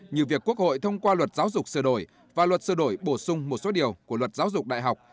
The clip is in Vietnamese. như việc quốc hội thông qua luật giáo dục sửa đổi và luật sửa đổi bổ sung một số điều của luật giáo dục đại học